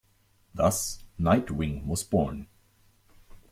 Thus, Nite-Wing was born.